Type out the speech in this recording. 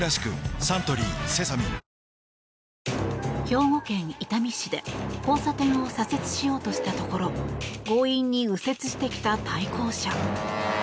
兵庫県伊丹市で交差点を左折しようとしたところ強引に右折してきた対向車。